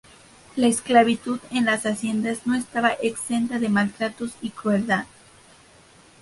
La esclavitud en las haciendas no estaba exenta de maltratos y crueldad.